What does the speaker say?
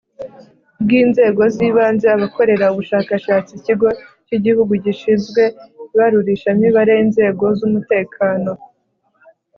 Bw’inzego z’ibanze abakorera ubushakashatsi Ikigo cy Igihugu Gishinzwe Ibarurishamibare inzego z umutekano